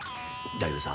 だけどさ